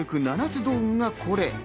７つ道具がこれ。